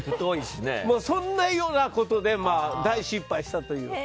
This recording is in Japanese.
そんなようなことで大失敗したという。